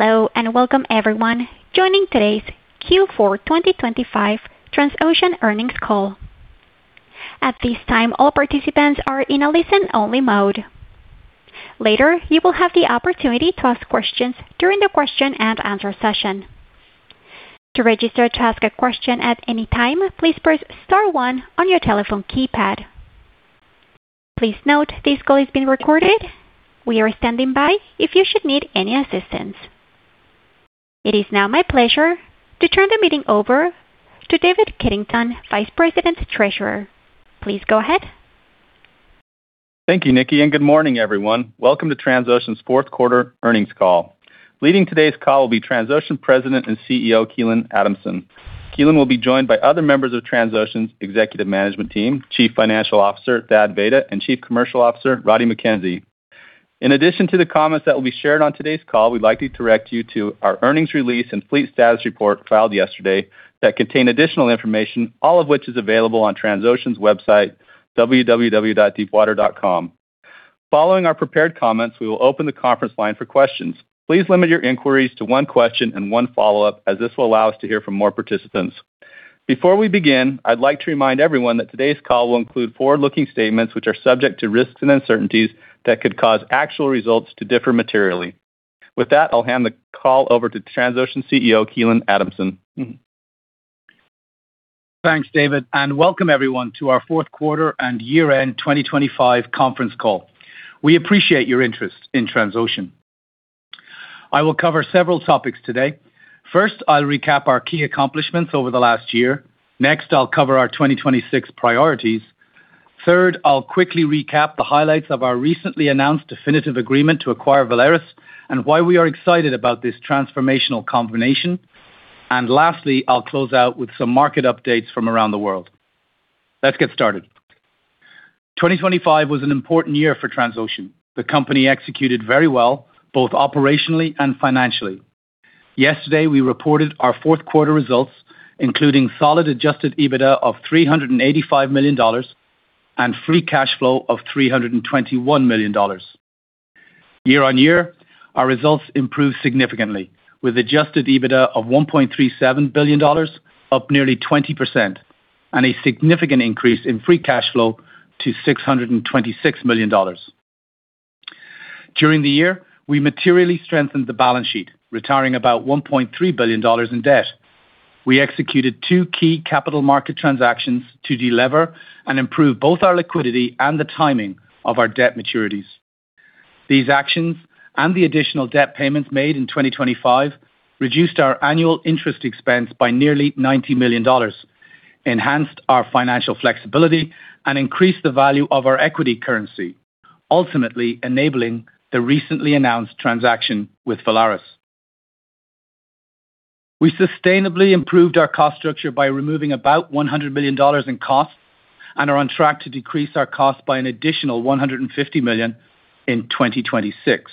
Hello, and welcome everyone joining today's Q4 2025 Transocean earnings call. At this time, all participants are in a listen-only mode. Later, you will have the opportunity to ask questions during the question and answer session. To register to ask a question at any time, please press star one on your telephone keypad. Please note, this call is being recorded. We are standing by if you should need any assistance. It is now my pleasure to turn the meeting over to David Keddington, Vice President and Treasurer. Please go ahead. Thank you, Nikki, and good morning everyone. Welcome to Transocean's fourth quarter earnings call. Leading today's call will be Transocean President and CEO, Keelan Adamson. Keelan will be joined by other members of Transocean's executive management team, Chief Financial Officer, Thad Vayda, and Chief Commercial Officer, Roddie Mackenzie. In addition to the comments that will be shared on today's call, we'd like to direct you to our earnings release and fleet status report filed yesterday that contain additional information, all of which is available on Transocean's website, www.deepwater.com. Following our prepared comments, we will open the conference line for questions. Please limit your inquiries to one question and one follow-up, as this will allow us to hear from more participants. Before we begin, I'd like to remind everyone that today's call will include forward-looking statements, which are subject to risks and uncertainties that could cause actual results to differ materially. With that, I'll hand the call over to Transocean CEO, Keelan Adamson. Thanks, David, and welcome everyone to our fourth quarter and year-end 2025 conference call. We appreciate your interest in Transocean. I will cover several topics today. First, I'll recap our key accomplishments over the last year. Next, I'll cover our 2026 priorities. Third, I'll quickly recap the highlights of our recently announced definitive agreement to acquire Valaris and why we are excited about this transformational combination. And lastly, I'll close out with some market updates from around the world. Let's get started. 2025 was an important year for Transocean. The company executed very well, both operationally and financially. Yesterday, we reported our fourth quarter results, including solid Adjusted EBITDA of $385 million and free cash flow of $321 million. Year on year, our results improved significantly, with adjusted EBITDA of $1.37 billion, up nearly 20%, and a significant increase in free cash flow to $626 million. During the year, we materially strengthened the balance sheet, retiring about $1.3 billion in debt. We executed two key capital market transactions to delever and improve both our liquidity and the timing of our debt maturities. These actions and the additional debt payments made in 2025 reduced our annual interest expense by nearly $90 million, enhanced our financial flexibility, and increased the value of our equity currency, ultimately enabling the recently announced transaction with Valaris. We sustainably improved our cost structure by removing about $100 million in costs and are on track to decrease our costs by an additional $150 million in 2026.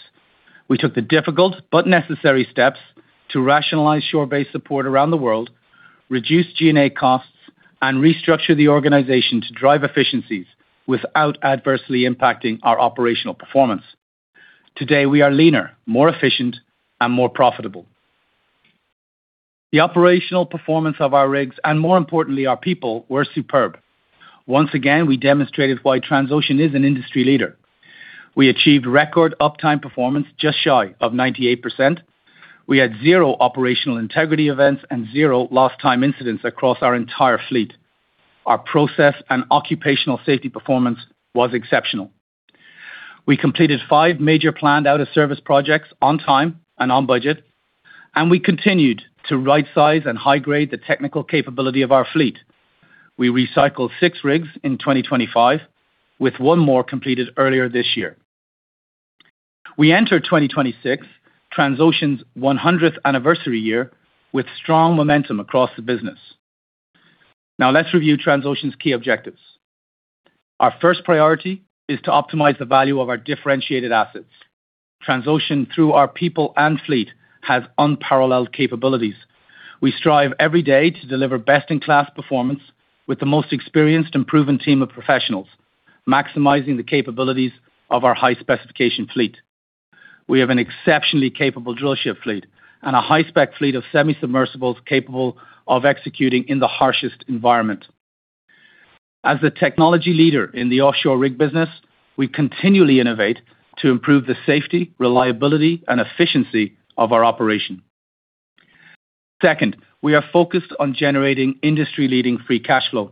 We took the difficult but necessary steps to rationalize shore-based support around the world, reduce G&A costs, and restructure the organization to drive efficiencies without adversely impacting our operational performance. Today, we are leaner, more efficient, and more profitable. The operational performance of our rigs, and more importantly, our people, were superb. Once again, we demonstrated why Transocean is an industry leader. We achieved record uptime performance just shy of 98%. We had zero operational integrity events and zero lost time incidents across our entire fleet. Our process and occupational safety performance was exceptional. We completed five major planned out-of-service projects on time and on budget, and we continued to rightsize and high-grade the technical capability of our fleet. We recycled six rigs in 2025, with one more completed earlier this year. We entered 2026, Transocean's 100th anniversary year, with strong momentum across the business. Now, let's review Transocean's key objectives. Our first priority is to optimize the value of our differentiated assets. Transocean, through our people and fleet, has unparalleled capabilities. We strive every day to deliver best-in-class performance with the most experienced and proven team of professionals, maximizing the capabilities of our high-specification fleet. We have an exceptionally capable drillship fleet and a high-spec fleet of semi-submersibles capable of executing in the harshest environment. As a technology leader in the offshore rig business, we continually innovate to improve the safety, reliability, and efficiency of our operation. Second, we are focused on generating industry-leading free cash flow.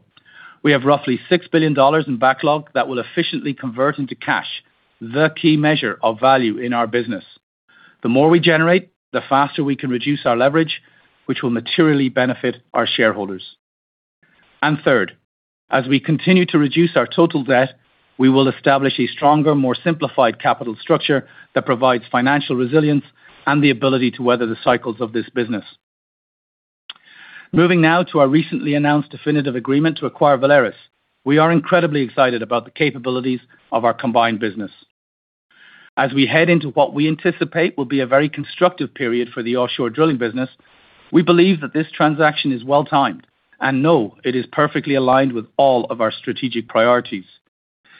We have roughly $6 billion in backlog that will efficiently convert into cash, the key measure of value in our business. The more we generate, the faster we can reduce our leverage, which will materially benefit our shareholders. Third, as we continue to reduce our total debt, we will establish a stronger, more simplified capital structure that provides financial resilience and the ability to weather the cycles of this business. Moving now to our recently announced definitive agreement to acquire Valaris. We are incredibly excited about the capabilities of our combined business. As we head into what we anticipate will be a very constructive period for the offshore drilling business, we believe that this transaction is well-timed and know it is perfectly aligned with all of our strategic priorities.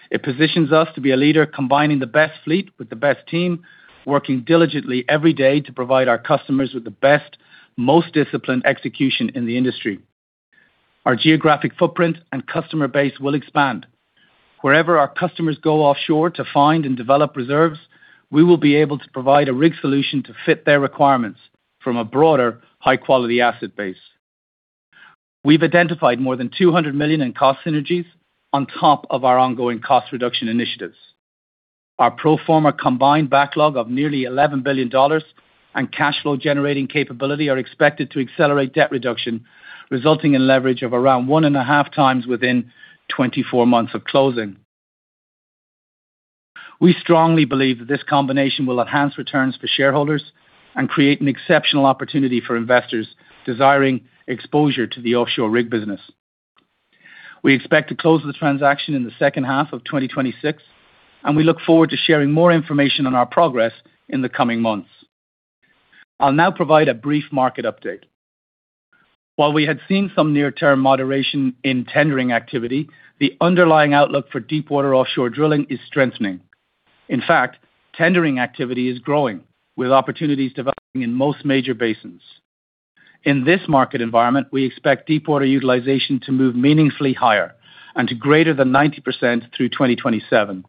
It positions us to be a leader, combining the best fleet with the best team, working diligently every day to provide our customers with the best, most disciplined execution in the industry. Our geographic footprint and customer base will expand. Wherever our customers go offshore to find and develop reserves, we will be able to provide a rig solution to fit their requirements from a broader, high-quality asset base. We've identified more than $200 million in cost synergies on top of our ongoing cost reduction initiatives. Our pro forma combined backlog of nearly $11 billion and cash flow-generating capability are expected to accelerate debt reduction, resulting in leverage of around 1.5x within 24 months of closing. We strongly believe that this combination will enhance returns for shareholders and create an exceptional opportunity for investors desiring exposure to the offshore rig business. We expect to close the transaction in the second half of 2026, and we look forward to sharing more information on our progress in the coming months. I'll now provide a brief market update. While we had seen some near-term moderation in tendering activity, the underlying outlook for deepwater offshore drilling is strengthENIng. In fact, tendering activity is growing, with opportunities developing in most major basins. In this market environment, we expect deepwater utilization to move meaningfully higher and to greater than 90% through 2027,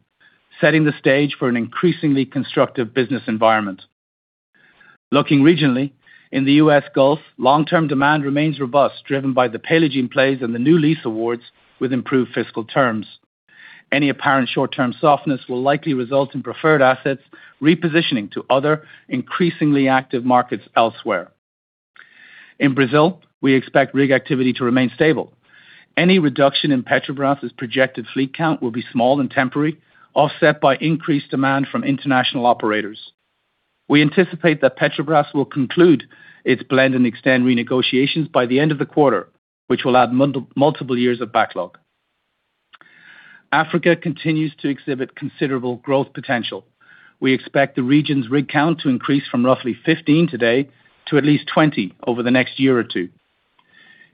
setting the stage for an increasingly constructive business environment. Looking regionally, in the U.S. Gulf, long-term demand remains robust, driven by the Paleogene plays and the new lease awards with improved fiscal terms. Any apparent short-term softness will likely result in preferred assets repositioning to other increasingly active markets elsewhere. In Brazil, we expect rig activity to remain stable. Any reduction in Petrobras's projected fleet count will be small and temporary, offset by increased demand from international operators. We anticipate that Petrobras will conclude its blend-and-extend renegotiations by the end of the quarter, which will add multiple years of backlog. Africa continues to exhibit considerable growth potential. We expect the region's rig count to increase from roughly 15 today to at least 20 over the next year or two.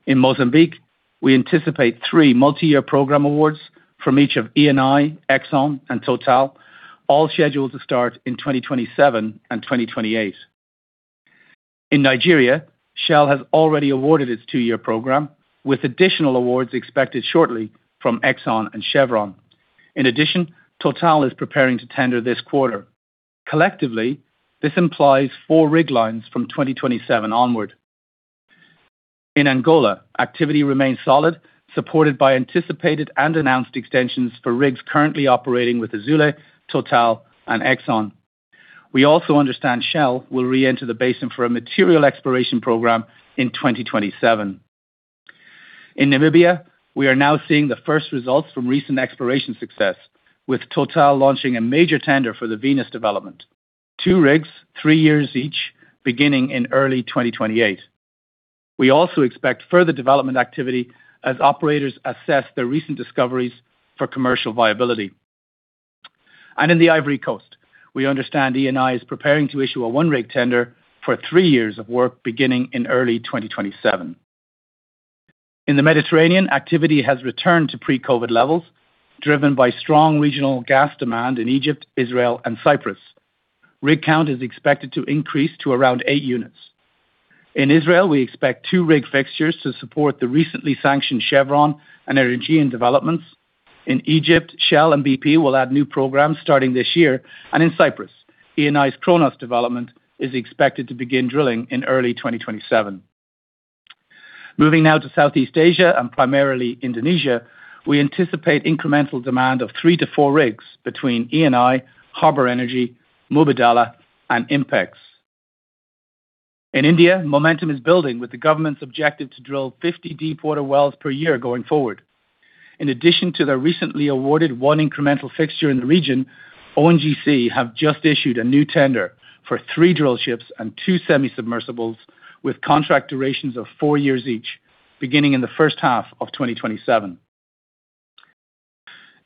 In Mozambique, we anticipate three multi-year program awards from each of ENI, Exxon, and Total, all scheduled to start in 2027 and 2028. In Nigeria, Shell has already awarded its two-year program, with additional awards expected shortly from Exxon and Chevron. In addition, Total is preparing to tender this quarter. Collectively, this implies four rig lines from 2027 onward. In Angola, activity remains solid, supported by anticipated and announced extensions for rigs currently operating with Azule, Total, and Exxon. We also understand Shell will reenter the basin for a material exploration program in 2027. In Namibia, we are now seeing the first results from recent exploration success, with Total launching a major tender for the Venus development. Two rigs, three years each, beginning in early 2028. We also expect further development activity as operators assess their recent discoveries for commercial viability. In the Ivory Coast, we understand ENI is preparing to issue a one-rig tender for three years of work, beginning in early 2027. In the Mediterranean, activity has returned to pre-COVID levels, driven by strong regional gas demand in Egypt, Israel and Cyprus. Rig count is expected to increase to around eight units. In Israel, we expect two rig fixtures to support the recently sanctioned Chevron and Energean developments. In Egypt, Shell and BP will add new programs starting this year, and in Cyprus, ENI's Cronos development is expected to begin drilling in early 2027. Moving now to Southeast Asia and primarily Indonesia, we anticipate incremental demand of three-four rigs between ENI, Harbour Energy, Mubadala and INPEX. In India, momentum is building, with the government's objective to drill 50 deepwater wells per year going forward. In addition to the recently awarded one incremental fixture in the region, ONGC have just issued a new tender for three drill ships and two semi-submersibles, with contract durations of four years each, beginning in the first half of 2027.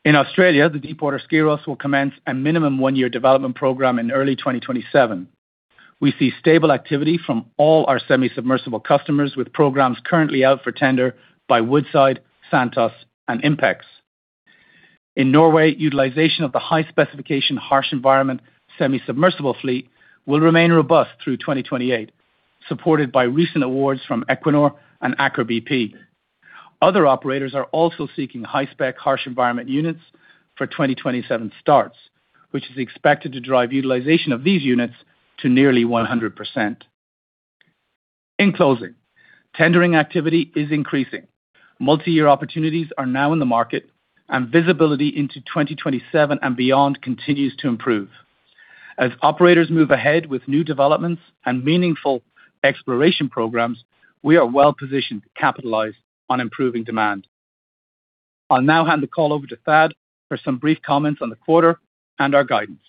In Australia, the Deepwater Skyros will commence a minimum one-year development program in early 2027. We see stable activity from all our semi-submersible customers, with programs currently out for tender by Woodside, Santos, and INPEX. In Norway, utilization of the high-specification, harsh environment semi-submersible fleet will remain robust through 2028, supported by recent awards from Equinor and Aker BP. Other operators are also seeking high-spec, harsh environment units for 2027 starts, which is expected to drive utilization of these units to nearly 100%. In closing, tendering activity is increasing. Multi-year opportunities are now in the market, and visibility into 2027 and beyond continues to improve. As operators move ahead with new developments and meaningful exploration programs, we are well positioned to capitalize on improving demand. I'll now hand the call over to Thad for some brief comments on the quarter and our guidance.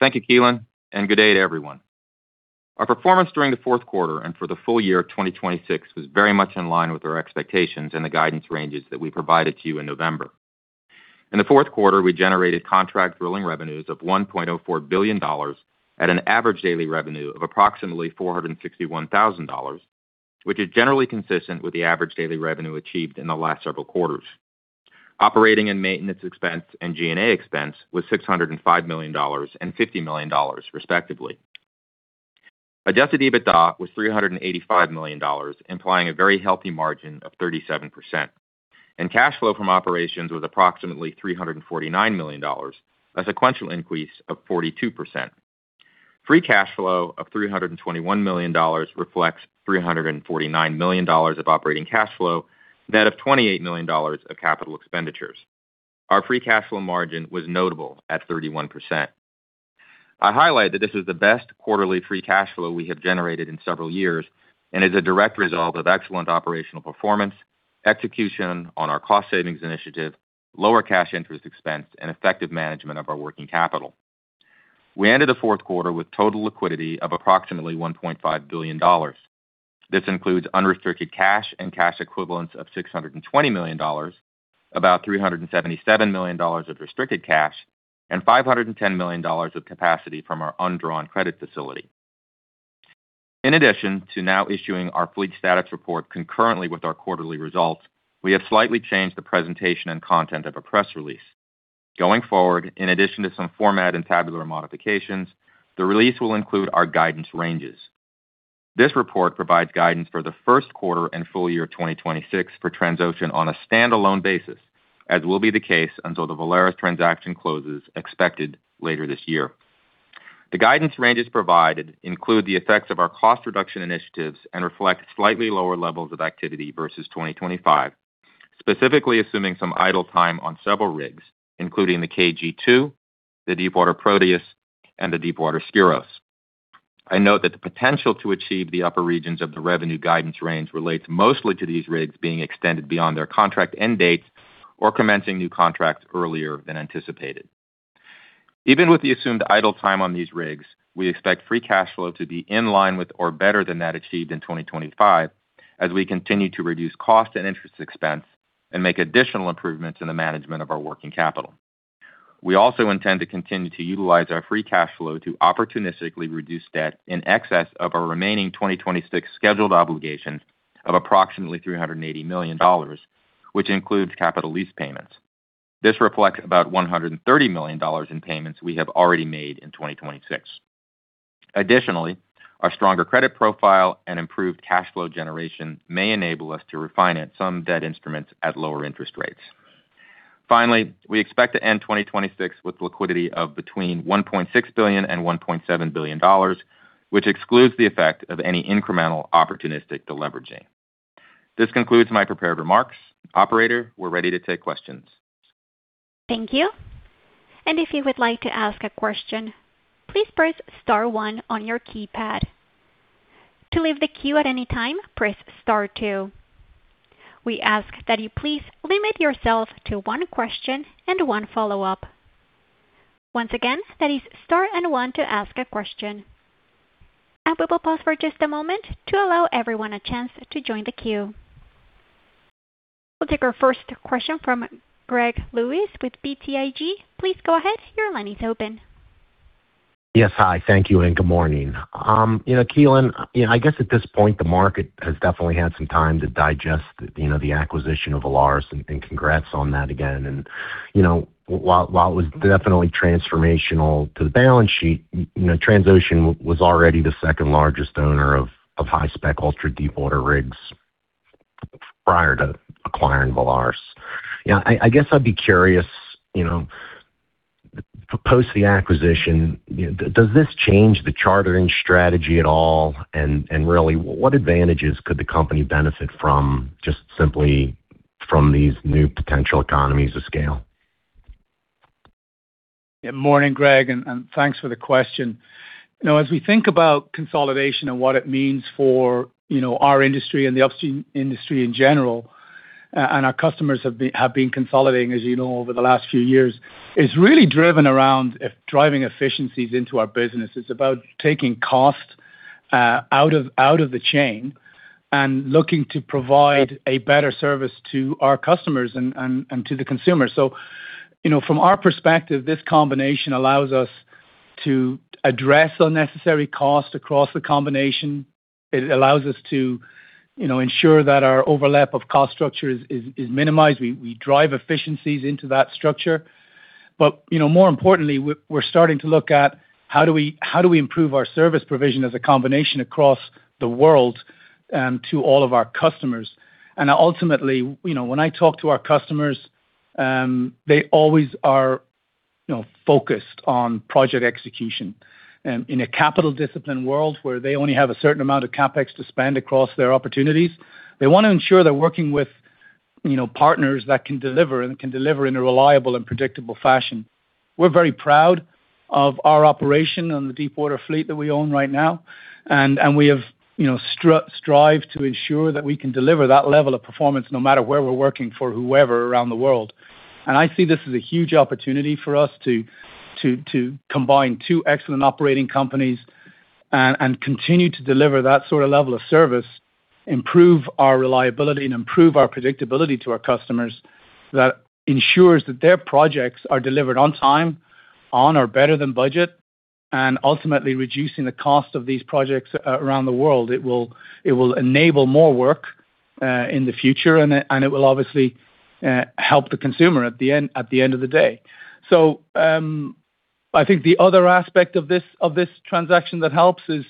Thad? Thank you, Keelan, and good day to everyone. Our performance during the fourth quarter and for the full year of 2026 was very much in line with our expectations and the guidance ranges that we provided to you in November. In the fourth quarter, we generated contract drilling revenues of $1.04 billion at an average daily revenue of approximately $461,000, which is generally consistent with the average daily revenue achieved in the last several quarters. Operating and maintenance expense and G&A expense was $605 million and $50 million, respectively. Adjusted EBITDA was $385 million, implying a very healthy margin of 37%, and cash flow from operations was approximately $349 million, a sequential increase of 42%. Free cash flow of $321 million reflects $349 million of operating cash flow, net of $28 million of capital expenditures. Our free cash flow margin was notable at 31%. I highlight that this is the best quarterly free cash flow we have generated in several years and is a direct result of excellent operational performance, execution on our cost savings initiative, lower cash interest expense, and effective management of our working capital. We ended the fourth quarter with total liquidity of approximately $1.5 billion. This includes unrestricted cash and cash equivalents of $620 million, about $377 million of restricted cash, and $510 million of capacity from our undrawn credit facility. In addition to now issuing our fleet status report concurrently with our quarterly results, we have slightly changed the presentation and content of a press release. Going forward, in addition to some format and tabular modifications, the release will include our guidance ranges. This report provides guidance for the first quarter and full year 2026 for Transocean on a standalone basis, as will be the case until the Valaris transaction closes, expected later this year. The guidance ranges provided include the effects of our cost reduction initiatives and reflect slightly lower levels of activity versus 2025, specifically assuming some idle time on several rigs, including the KG2, the Deepwater Proteus, and the Deepwater Skyros. I note that the potential to achieve the upper regions of the revenue guidance range relates mostly to these rigs being extended beyond their contract end dates or commencing new contracts earlier than anticipated. Even with the assumed idle time on these rigs, we expect free cash flow to be in line with or better than that achieved in 2025, as we continue to reduce cost and interest expense and make additional improvements in the management of our working capital. We also intend to continue to utilize our free cash flow to opportunistically reduce debt in excess of our remaining 2026 scheduled obligations of approximately $380 million, which includes capital lease payments. This reflects about $130 million in payments we have already made in 2026. Additionally, our stronger credit profile and improved cash flow generation may enable us to refinance some debt instruments at lower interest rates. Finally, we expect to end 2026 with liquidity of between $1.6 billion and $1.7 billion, which excludes the effect of any incremental opportunistic deleveraging. This concludes my prepared remarks. Operator, we're ready to take questions. Thank you. And if you would like to ask a question, please press star one on your keypad. To leave the queue at any time, press star two. We ask that you please limit yourself to one question and one follow-up. Once again, that is star and one to ask a question. And we will pause for just a moment to allow everyone a chance to join the queue. We'll take our first question from Greg Lewis with BTIG. Please go ahead. Your line is open. Yes. Hi, thank you, and good morning. You know, Keelan, you know, I guess at this point, the market has definitely had some time to digest, you know, the acquisition of Valaris, and congrats on that again. And, you know, while it was definitely transformational to the balance sheet, you know, Transocean was already the second-largest owner of high-spec, ultra-deepwater rigs prior to acquiring Valaris. Yeah, I guess I'd be curious, you know, post the acquisition, you know, does this change the chartering strategy at all? And really, what advantages could the company benefit from, just simply from these new potential economies of scale? Yeah. Morning, Greg, and thanks for the question. You know, as we think about consolidation and what it means for, you know, our industry and the upstream industry in general, and our customers have been consolidating, as you know, over the last few years, it's really driven around driving efficiencies into our business. It's about taking cost out of the chain and looking to provide a better service to our customers and to the consumer. So, you know, from our perspective, this combination allows us to address unnecessary costs across the combination. It allows us to, you know, ensure that our overlap of cost structure is minimized. We drive efficiencies into that structure. But, you know, more importantly, we're starting to look at how do we, how do we improve our service provision as a combination across the world, to all of our customers? And ultimately, you know, when I talk to our customers, they always are, you know, focused on project execution. In a capital-disciplined world, where they only have a certain amount of CapEx to spend across their opportunities, they wanna ensure they're working with, you know, partners that can deliver and can deliver in a reliable and predictable fashion. We're very proud of our operation on the deepwater fleet that we own right now, and we have, you know, strived to ensure that we can deliver that level of performance no matter where we're working for whoever around the world. I see this as a huge opportunity for us to combine two excellent operating companies and continue to deliver that sort of level of service, improve our reliability, and improve our predictability to our customers that ensures that their projects are delivered on time, on or better than budget and ultimately reducing the cost of these projects around the world. It will enable more work in the future, and it will obviously help the consumer at the end of the day. So, I think the other aspect of this transaction that helps is,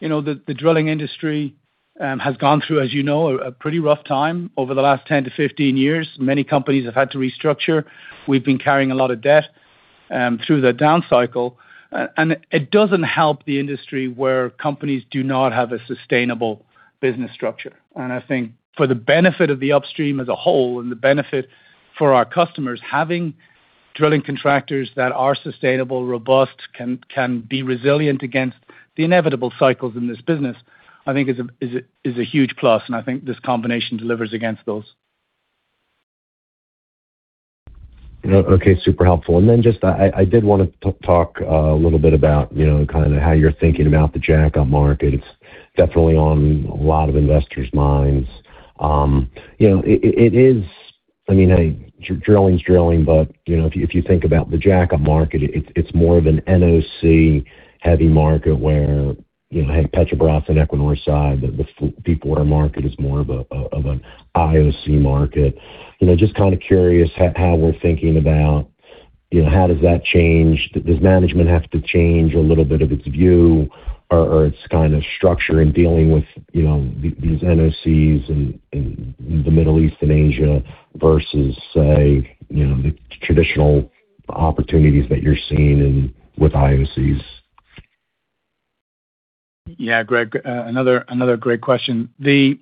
you know, the drilling industry has gone through, as you know, a pretty rough time over the last 10-15 years. Many companies have had to restructure. We've been carrying a lot of debt through the down cycle. It doesn't help the industry where companies do not have a sustainable business structure. I think for the benefit of the upstream as a whole and the benefit for our customers, having drilling contractors that are sustainable, robust, can be resilient against the inevitable cycles in this business, I think is a huge plus, and I think this combination delivers against those. Okay, super helpful. Then just I did wanna talk a little bit about, you know, kinda how you're thinking about the jackup market. It's definitely on a lot of investors' minds. You know, it is... I mean, hey, drilling's drilling, but, you know, if you think about the jackup market, it's more of an NOC-heavy market where, you know, hey, Petrobras and Equinor aside, the deepwater market is more of an IOC market. You know, just kinda curious how we're thinking about, you know, how does that change? Does management have to change a little bit of its view or its kinda structure in dealing with, you know, these NOCs in the Middle East and Asia versus, say, you know, the traditional opportunities that you're seeing in with IOCs? Yeah, Greg, another great question. You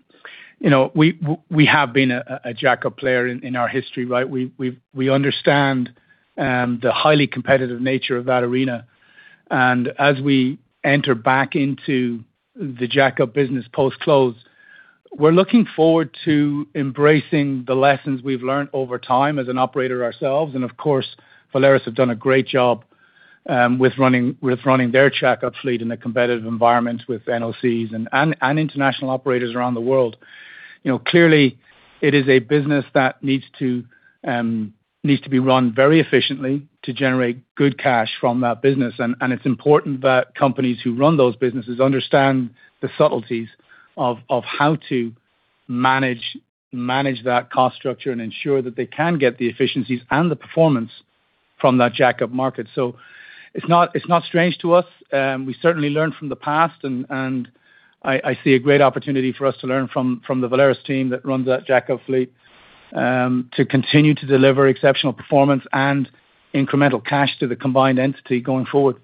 know, we have been a jackup player in our history, right? We understand the highly competitive nature of that arena. And as we enter back into the jackup business post-close, we're looking forward to embracing the lessons we've learned over time as an operator ourselves. And of course, Valaris have done a great job with running their jackup fleet in a competitive environment with NOCs and international operators around the world. You know, clearly, it is a business that needs to be run very efficiently to generate good cash from that business. It's important that companies who run those businesses understand the subtleties of how to manage that cost structure and ensure that they can get the efficiencies and the performance from that jackup market. So it's not strange to us. We certainly learned from the past, and I see a great opportunity for us to learn from the Valaris team that runs that jackup fleet, to continue to deliver exceptional performance and incremental cash to the combined entity going forward.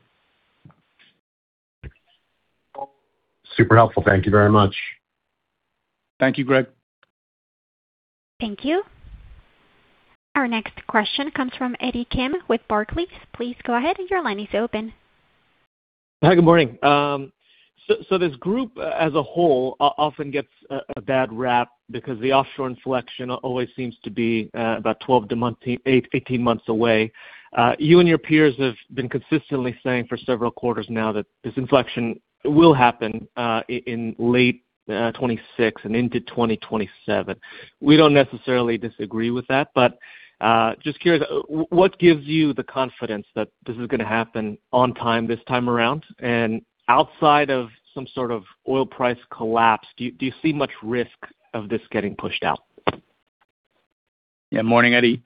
Super helpful. Thank you very much. Thank you, Greg. Thank you. Our next question comes from Eddie Kim with Barclays. Please go ahead. Your line is open. Hi, good morning. So this group as a whole often gets a bad rap because the offshore inflection always seems to be about 12-18 months away. You and your peers have been consistently saying for several quarters now that this inflection will happen in late 2026 and into 2027. We don't necessarily disagree with that, but just curious, what gives you the confidence that this is gonna happen on time, this time around? Outside of some sort of oil price collapse, do you see much risk of this getting pushed out? Yeah. Morning, Eddie.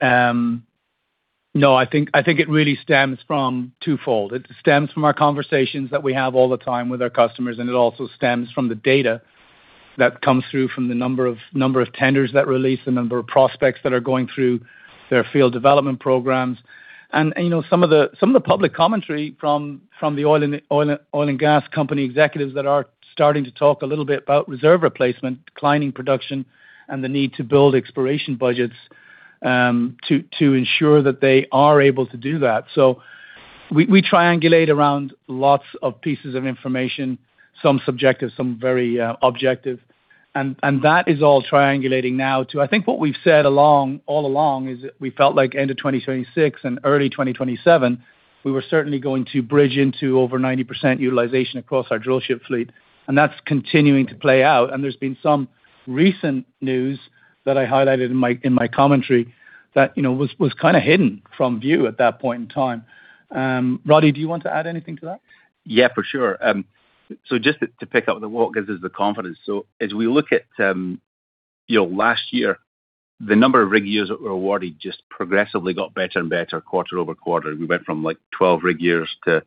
No, I think, I think it really stems from twofold. It stems from our conversations that we have all the time with our customers, and it also stems from the data that comes through from the number of, number of tenders that release, the number of prospects that are going through their field development programs. And, you know, some of the, some of the public commentary from, from the oil and gas company executives that are starting to talk a little bit about reserve replacement, declining production, and the need to build exploration budgets, to ensure that they are able to do that. So we, we triangulate around lots of pieces of information, some subjective, some very objective, and that is all triangulating now to... I think what we've said along, all along is that we felt like end of 2026 and early 2027, we were certainly going to bridge into over 90% utilization across our drillship fleet, and that's continuing to play out. There's been some recent news that I highlighted in my commentary that, you know, was kinda hidden from view at that point in time. Roddie, do you want to add anything to that? Yeah, for sure. So just to pick up, what gives us the confidence? So as we look at, you know, last year, the number of rig years that were awarded just progressively got better and better quarter-over-quarter. We went from, like, 12 rig years to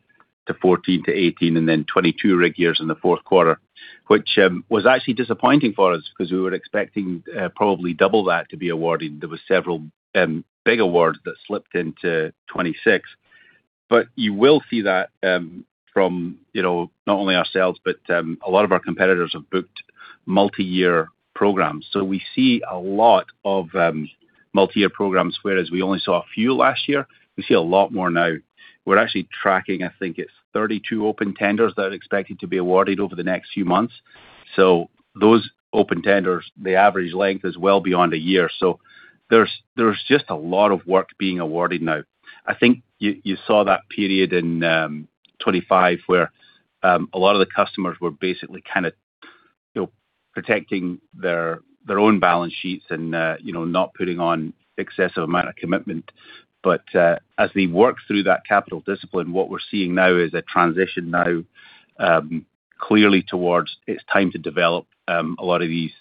14, to 18, and then 22 rig years in the fourth quarter, which was actually disappointing for us because we were expecting probably double that to be awarded. There were several big awards that slipped into 2026. But you will see that, from, you know, not only ourselves, but a lot of our competitors have booked multi-year programs. So we see a lot of multi-year programs, whereas we only saw a few last year. We see a lot more now. We're actually tracking, I think it's 32 open tenders that are expected to be awarded over the next few months. So those open tenders, the average length is well beyond a year. So there's, there's just a lot of work being awarded now. I think you, you saw that period in 2025, where a lot of the customers were basically kind of-... So protecting their own balance sheets and, you know, not putting on excessive amount of commitment. But, as we work through that capital discipline, what we're seeing now is a transition now, clearly towards it's time to develop, a lot of these,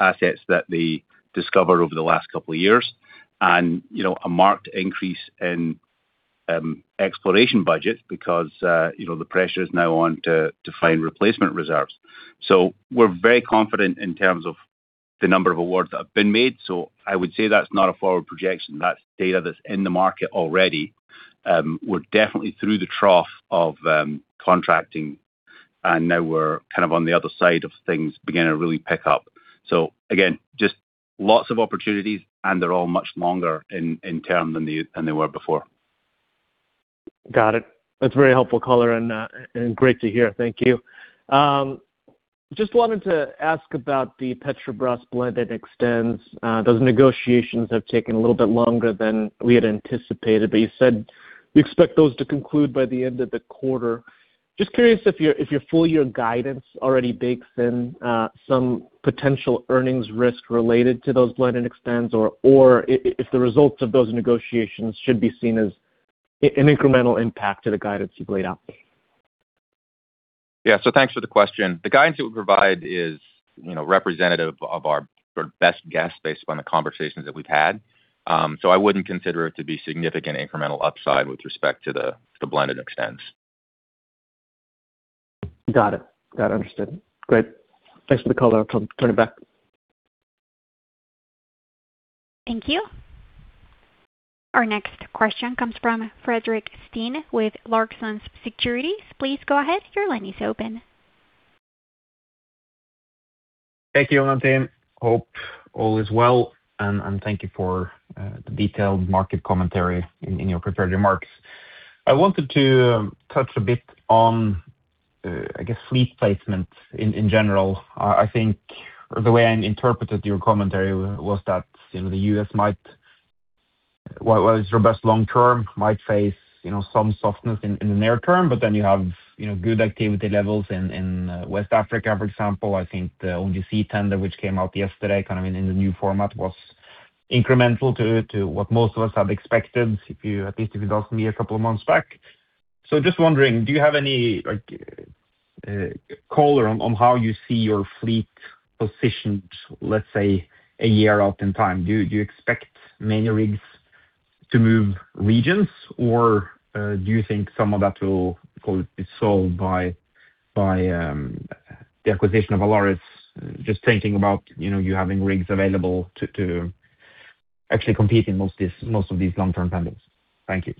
assets that they discovered over the last couple of years. And, you know, a marked increase in, exploration budgets because, you know, the pressure is now on to find replacement reserves. So we're very confident in terms of the number of awards that have been made. So I would say that's not a forward projection, that's data that's in the market already. We're definitely through the trough of, contracting, and now we're kind of on the other side of things, beginning to really pick up. So again, just lots of opportunities, and they're all much longer in term than they were before. Got it. That's a very helpful color and, and great to hear. Thank you. Just wanted to ask about the Petrobras blend that extends. Those negotiations have taken a little bit longer than we had anticipated, but you said you expect those to conclude by the end of the quarter. Just curious if your, if your full year guidance already bakes in, some potential earnings risk related to those blended extends, or, or if the results of those negotiations should be seen as an incremental impact to the guidance you've laid out? Yeah. Thanks for the question. The guidance we provide is, you know, representative of our sort of best guess based on the conversations that we've had. I wouldn't consider it to be significant incremental upside with respect to the, the blended extends. Got it. Got it, understood. Great. Thanks for the color. I'll turn it back. Thank you. Our next question comes from Fredrik Stene with Clarksons Securities. Please go ahead. Your line is open. Thank you. Hope all is well, and thank you for the detailed market commentary in your prepared remarks. I wanted to touch a bit on, I guess, fleet placement in general. I think the way I interpreted your commentary was that, you know, the U.S. might, well, it's your best long term, might face, you know, some softness in the near term, but then you have, you know, good activity levels in West Africa, for example. I think the ONGC tender, which came out yesterday, kind of in the new format, was incremental to what most of us have expected, if you, at least if you ask me a couple of months back. So just wondering, do you have any, like, call on how you see your fleet positioned, let's say, a year out in time? Do you expect many rigs to move regions, or do you think some of that will be solved by the acquisition of Valaris? Just thinking about, you know, you having rigs available to actually compete in most of these, most of these long-term tenders. Thank you.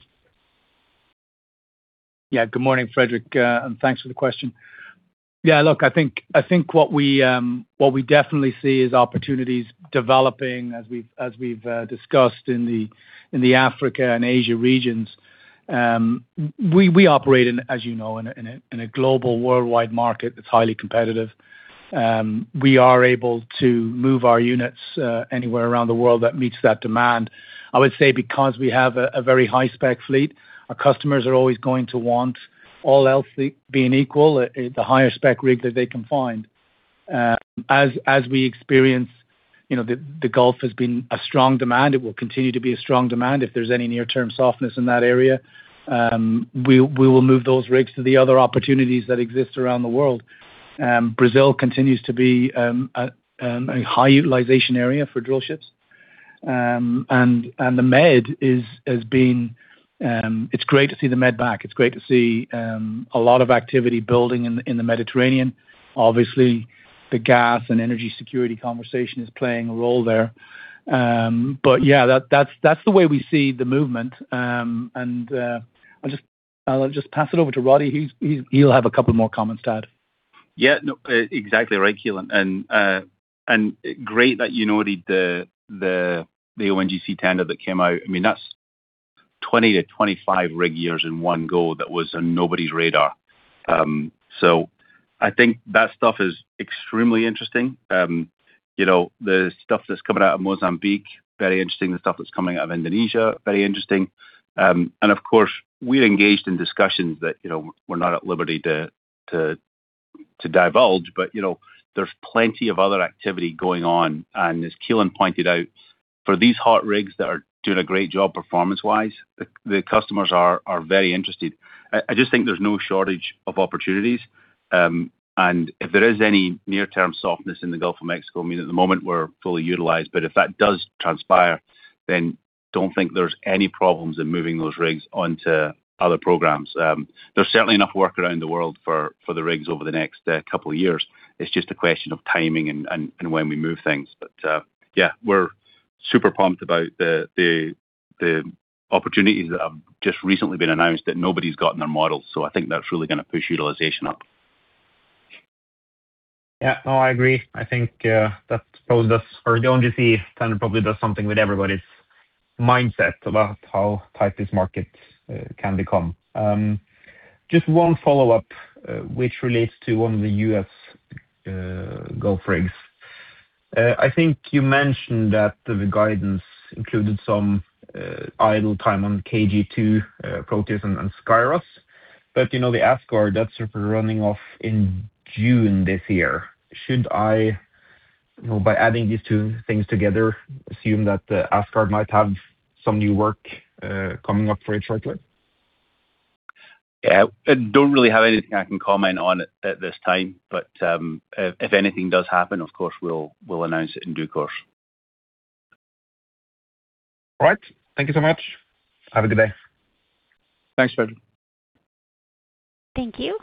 Yeah. Good morning, Fredrik, and thanks for the question. Yeah, look, I think what we definitely see is opportunities developing as we've discussed in the Africa and Asia regions. We operate in, as you know, a global worldwide market that's highly competitive. We are able to move our units anywhere around the world that meets that demand. I would say because we have a very high-spec fleet, our customers are always going to want all else being equal the higher spec rig that they can find. As we experience, you know, the Gulf has been a strong demand, it will continue to be a strong demand. If there's any near-term softness in that area, we will move those rigs to the other opportunities that exist around the world. Brazil continues to be a high utilization area for drill ships. And the Med has been... It's great to see the Med back. It's great to see a lot of activity building in the Mediterranean. Obviously, the gas and energy security conversation is playing a role there. But yeah, that's the way we see the movement. And I'll just pass it over to Roddie. He'll have a couple more comments to add. Yeah. No, exactly right, Keelan. And great that you noted the ONGC tender that came out. I mean, that's 20-25 rig years in one go that was on nobody's radar. So I think that stuff is extremely interesting. You know, the stuff that's coming out of Mozambique, very interesting. The stuff that's coming out of Indonesia, very interesting. And of course, we're engaged in discussions that, you know, we're not at liberty to divulge, but, you know, there's plenty of other activity going on. And as Keelan pointed out, for these hot rigs that are doing a great job performance-wise, the customers are very interested. I just think there's no shortage of opportunities, and if there is any near-term softness in the Gulf of Mexico, I mean, at the moment, we're fully utilized, but if that does transpire, then don't think there's any problems in moving those rigs onto other programs. There's certainly enough work around the world for the rigs over the next couple of years. It's just a question of timing and when we move things. But yeah, we're super pumped about the opportunities that have just recently been announced that nobody's got in their models. So I think that's really gonna push utilization up. Yeah. No, I agree. I think, that probably does or the ONGC tender probably does something with everybody's mindset about how tight this market, can become. Just one follow-up, which relates to one of the U.S. Gulf rigs. I think you mentioned that the, the guidance included some, idle time on KG2, Proteus and, and Skyros. But, you know, the Asgard, that's running off in June this year. Should I, you know, by adding these two things together, assume that the Asgard might have some new work, coming up for it shortly? Yeah. I don't really have anything I can comment on at this time, but if anything does happen, of course, we'll announce it in due course. All right. Thank you so much. Have a good day. Thanks, Fredrik. Thank you.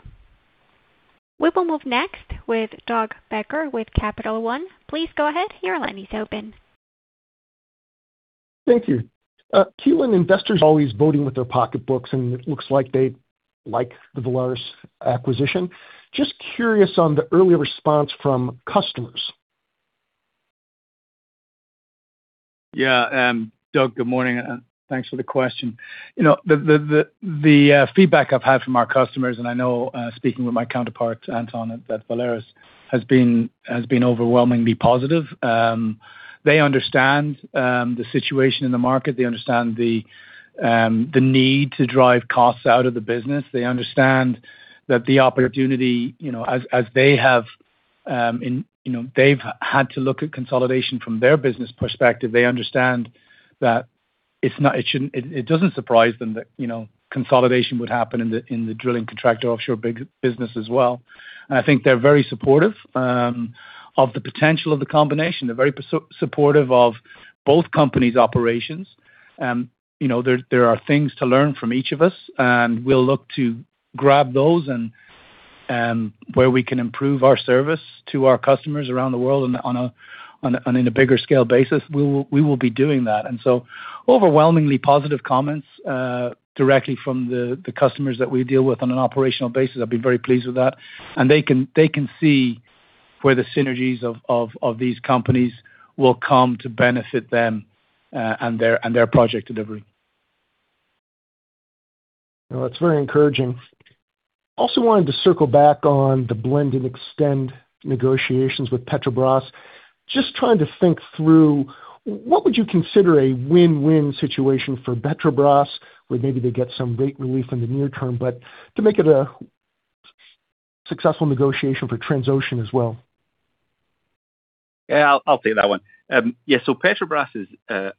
We will move next with Doug Becker with Capital One. Please go ahead. Your line is open. Thank you. Keelan, investors are always voting with their pocketbooks, and it looks like they like the Valaris acquisition. Just curious on the early response from customers. Yeah, Doug, good morning, and thanks for the question. You know, the feedback I've had from our customers, and I know, speaking with my counterpart, Anton, at Valaris has been overwhelmingly positive. They understand the situation in the market. They understand the need to drive costs out of the business. They understand that the opportunity, you know, as they have in... You know, they've had to look at consolidation from their business perspective. They understand that it doesn't surprise them that, you know, consolidation would happen in the drilling contractor offshore big business as well. And I think they're very supportive of the potential of the combination. They're very supportive of both companies' operations. You know, there, there are things to learn from each of us, and we'll look to grab those and, where we can improve our service to our customers around the world and on a, on a, and in a bigger scale basis, we will, we will be doing that. And so overwhelmingly positive comments, directly from the, the customers that we deal with on an operational basis. I've been very pleased with that. And they can, they can see where the synergies of, of, of these companies will come to benefit them, and their, and their project delivery. Well, that's very encouraging. Also wanted to circle back on the blend and extend negotiations with Petrobras. Just trying to think through, what would you consider a win-win situation for Petrobras, where maybe they get some rate relief in the near term, but to make it a successful negotiation for Transocean as well? Yeah, I'll take that one. Yeah, so Petrobras is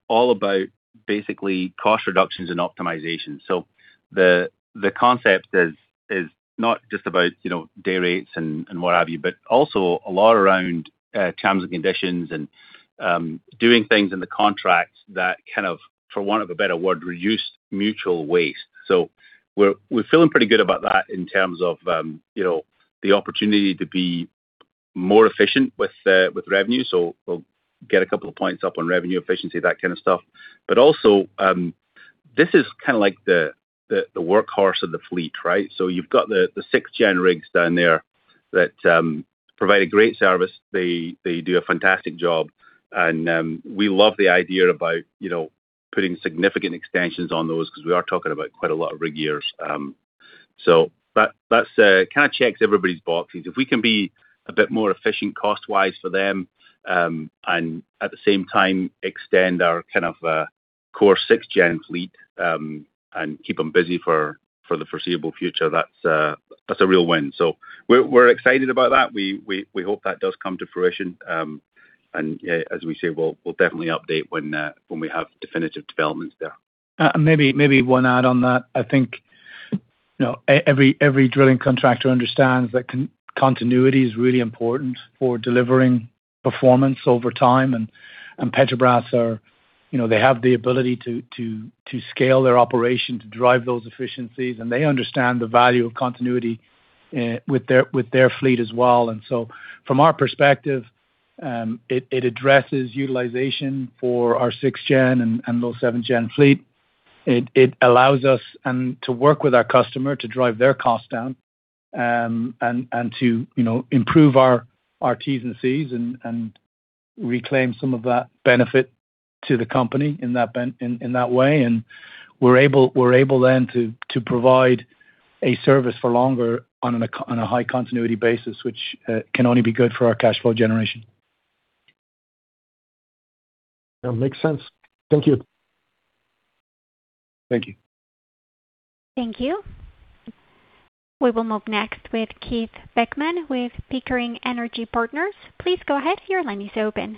all about basically cost reductions and optimization. So the concept is not just about, you know, day rates and what have you, but also a lot around terms and conditions and doing things in the contract that kind of, for want of a better word, reduce mutual waste. So we're feeling pretty good about that in terms of you know, the opportunity to be more efficient with revenue. So we'll get a couple of points up on revenue efficiency, that kind of stuff. But also, this is kinda like the workhorse of the fleet, right? So you've got the sixth-gen rigs down there that provide a great service. They do a fantastic job, and we love the idea about, you know, putting significant extensions on those, 'cause we are talking about quite a lot of rig years. So that, that's kinda checks everybody's boxes. If we can be a bit more efficient cost-wise for them, and at the same time, extend our kind of core sixth-gen fleet, and keep them busy for the foreseeable future, that's a real win. So we're excited about that. We hope that does come to fruition. And yeah, as we say, we'll definitely update when we have definitive developments there. Maybe, maybe one add on that. I think, you know, every drilling contractor understands that continuity is really important for delivering performance over time. And Petrobras are. You know, they have the ability to scale their operation, to drive those efficiencies, and they understand the value of continuity with their fleet as well. And so from our perspective, it addresses utilization for our sixth-gen and those seventh-gen fleet. It allows us to work with our customer to drive their costs down, and to, you know, improve our T's and C's and reclaim some of that benefit to the company in that way. And we're able then to provide a service for longer on a high continuity basis, which can only be good for our cash flow generation. That makes sense. Thank you. Thank you. Thank you. We will move next with Keith Beckmann with Pickering Energy Partners. Please go ahead. Your line is open.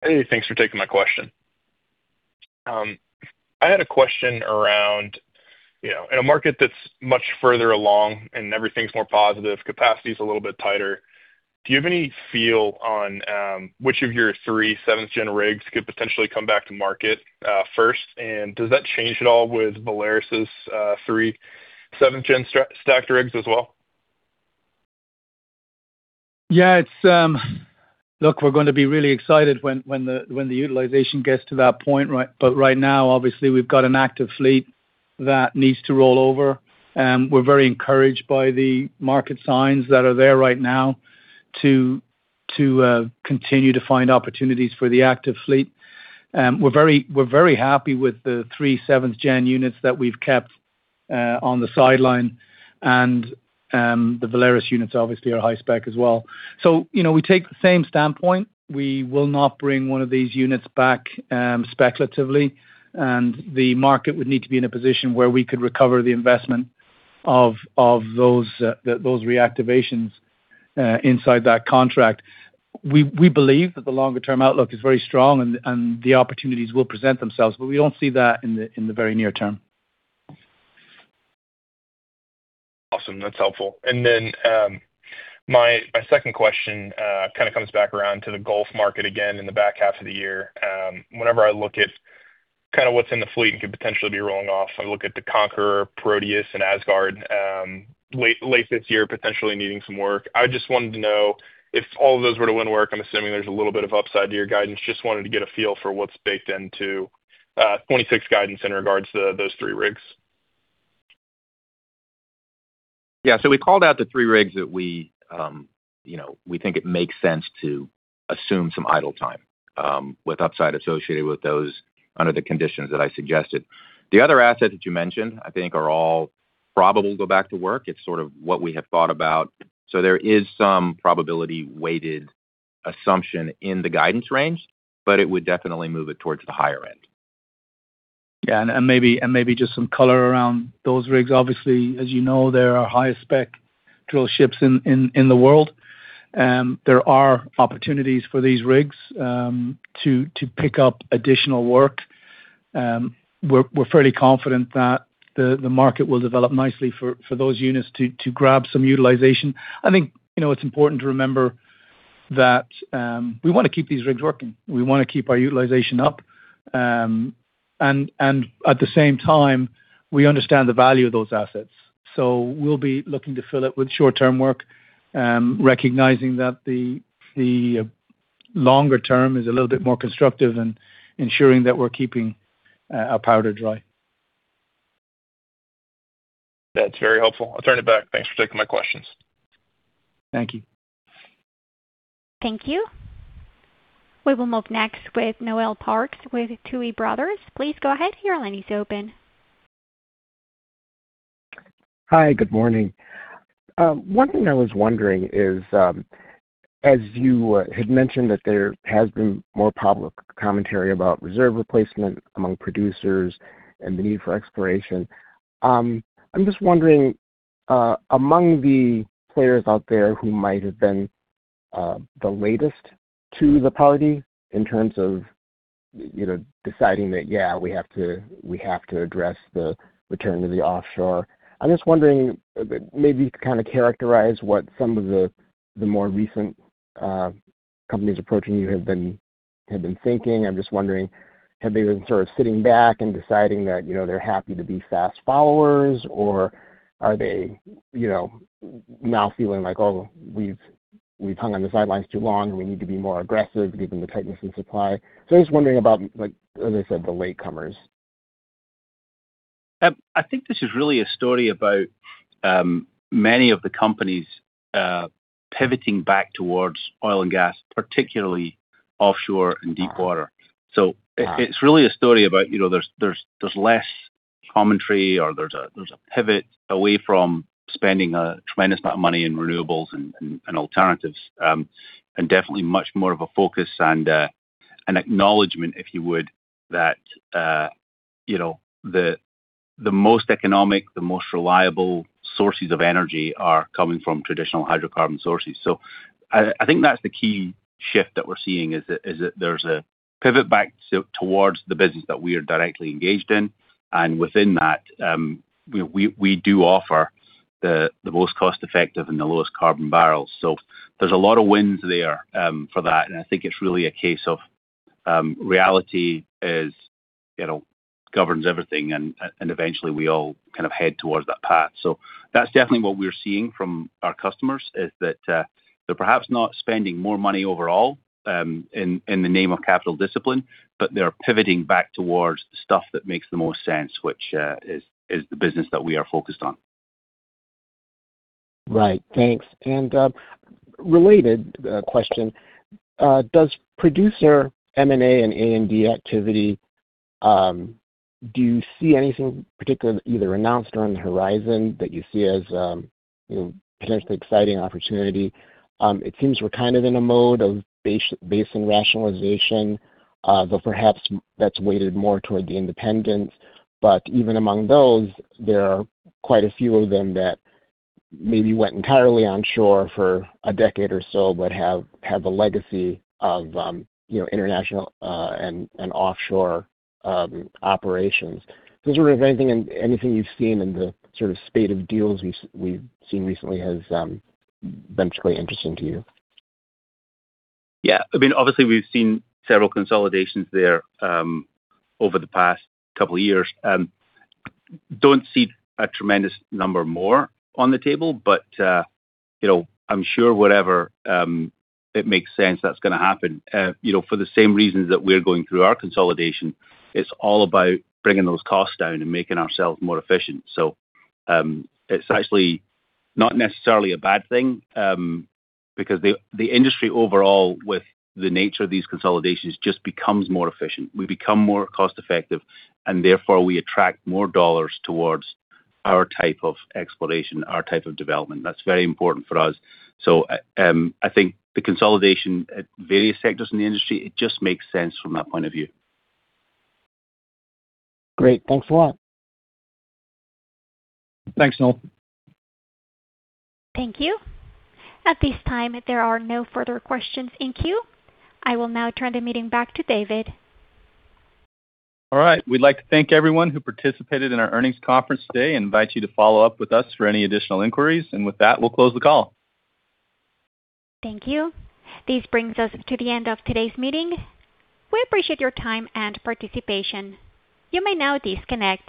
Hey, thanks for taking my question. I had a question around, you know, in a market that's much further along and everything's more positive, capacity's a little bit tighter, do you have any feel on, which of your three seventh-gen rigs could potentially come back to market, first? And does that change at all with Valaris's, three seventh-gen stacked rigs as well? Yeah, it's... Look, we're gonna be really excited when the utilization gets to that point, right? But right now, obviously, we've got an active fleet that needs to roll over, and we're very encouraged by the market signs that are there right now to continue to find opportunities for the active fleet. We're very happy with the three seventh-gen units that we've kept on the sideline, and the Valaris units obviously are high-spec as well. So, you know, we take the same standpoint. We will not bring one of these units back speculatively, and the market would need to be in a position where we could recover the investment of those reactivations inside that contract. We believe that the longer term outlook is very strong and the opportunities will present themselves, but we don't see that in the very near term. Awesome. That's helpful. And then my second question kind of comes back around to the Gulf market again in the back half of the year. Whenever I look at kinda what's in the fleet and could potentially be rolling off, I look at the Conqueror, Proteus, and Asgard late this year, potentially needing some work. I just wanted to know if all of those were to win work. I'm assuming there's a little bit of upside to your guidance. Just wanted to get a feel for what's baked into 2026 guidance in regards to those three rigs. Yeah, so we called out the three rigs that we, you know, we think it makes sense to assume some idle time, with upside associated with those under the conditions that I suggested. The other assets that you mentioned, I think, are all probable go back to work. It's sort of what we have thought about. So there is some probability-weighted assumption in the guidance range, but it would definitely move it towards the higher end. Yeah, and maybe just some color around those rigs. Obviously, as you know, they're our highest spec drill ships in the world. There are opportunities for these rigs to pick up additional work. We're fairly confident that the market will develop nicely for those units to grab some utilization. I think, you know, it's important to remember that we wanna keep these rigs working. We wanna keep our utilization up. And at the same time, we understand the value of those assets, so we'll be looking to fill it with short-term work, recognizing that the longer term is a little bit more constructive in ensuring that we're keeping our powder dry. That's very helpful. I'll turn it back. Thanks for taking my questions. Thank you. Thank you. We will move next with Noel Parks with Tuohy Brothers. Please go ahead. Your line is open. Hi, good morning. One thing I was wondering is, as you had mentioned that there has been more public commentary about reserve replacement among producers and the need for exploration, I'm just wondering, among the players out there who might have been the latest to the party in terms of, you know, deciding that, yeah, we have to, we have to address the return to the offshore. I'm just wondering, maybe kind of characterize what some of the more recent companies approaching you have been thinking. I'm just wondering, have they been sort of sitting back and deciding that, you know, they're happy to be fast followers? Or are they, you know, now feeling like, "Oh, we've, we've hung on the sidelines too long. “We need to be more aggressive, given the tightness in supply?” So I’m just wondering about, like, as I said, the latecomers. I think this is really a story about many of the companies pivoting back towards oil and gas, particularly offshore and deepwater. So it's really a story about, you know, there's less commentary or there's a pivot away from spending a tremendous amount of money in renewables and alternatives. And definitely much more of a focus and an acknowledgement, if you would, that you know, the most economic, the most reliable sources of energy are coming from traditional hydrocarbon sources. So I think that's the key shift that we're seeing, is that there's a pivot back towards the business that we are directly engaged in, and within that, we do offer the most cost-effective and the lowest carbon barrels. So there's a lot of wins there for that, and I think it's really a case of reality is, you know, governs everything, and eventually we all kind of head towards that path. So that's definitely what we're seeing from our customers, is that they're perhaps not spending more money overall in the name of capital discipline, but they're pivoting back towards the stuff that makes the most sense, which is the business that we are focused on. Right. Thanks. And, related, question, does producer M&A and A&D activity, do you see anything particular either announced or on the horizon that you see as, you know, potentially exciting opportunity? It seems we're kind of in a mode of basin rationalization, but perhaps that's weighted more toward the independents. But even among those, there are quite a few of them that maybe went entirely onshore for a decade or so, but have, have a legacy of, you know, international, and, and offshore, operations. I was wondering if anything and anything you've seen in the sort of state of deals we've, we've seen recently has, been particularly interesting to you? Yeah. I mean, obviously, we've seen several consolidations there, over the past couple of years. Don't see a tremendous number more on the table, but, you know, I'm sure whatever, it makes sense, that's gonna happen. You know, for the same reasons that we're going through our consolidation, it's all about bringing those costs down and making ourselves more efficient. So, it's actually not necessarily a bad thing, because the, the industry overall, with the nature of these consolidations, just becomes more efficient. We become more cost-effective, and therefore we attract more dollars towards our type of exploration, our type of development. That's very important for us. So, I think the consolidation at various sectors in the industry, it just makes sense from that point of view. Great. Thanks a lot. Thanks, Noel. Thank you. At this time, there are no further questions in queue. I will now turn the meeting back to David. All right. We'd like to thank everyone who participated in our earnings conference today and invite you to follow up with us for any additional inquiries. With that, we'll close the call. Thank you. This brings us to the end of today's meeting. We appreciate your time and participation. You may now disconnect.